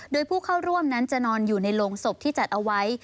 โดยผู้เข้าร่วมนั้นจะนอนอยู่ในโรงศพที่จัดเอาไว้